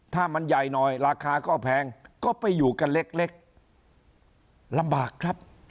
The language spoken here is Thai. ถ้ามันใหญ่หน่อยราคาก็แพงก็ไปอยู่กันเล็กลำบากครับ